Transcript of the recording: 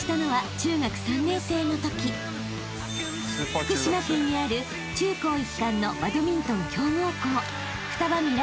［福島県にある中高一貫のバドミントン強豪校ふたば未来